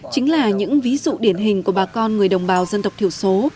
chính là những ví dụ điển hình của bà con người đồng bào dân tộc thiểu số